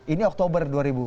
ini oktober dua ribu enam belas